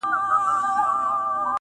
وجدان ورو ورو مري دننه تل،